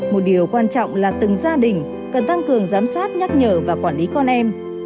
một điều quan trọng là từng gia đình cần tăng cường giám sát nhắc nhở và quản lý con em